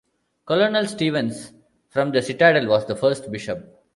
Colonel Stevens from the Citadel was the first bishop.